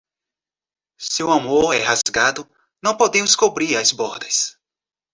Se o amor é rasgado, não podemos cobrir as bordas.